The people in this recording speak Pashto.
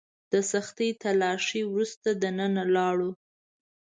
د سختې تلاشۍ وروسته دننه لاړو.